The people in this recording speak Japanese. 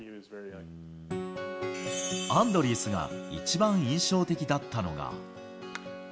アンドリースが一番印象的だったのが。